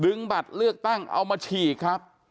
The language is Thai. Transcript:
บัตรเลือกตั้งเอามาฉีกครับ